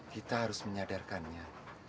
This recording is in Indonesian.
kita harus menyadarkannya